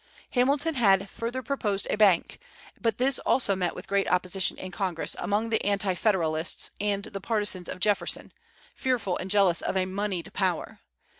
Hamilton had further proposed a bank, but this also met with great opposition in Congress among the anti Federalists and the partisans of Jefferson, fearful and jealous of a moneyed power.